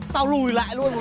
tao lùi lại luôn một hướng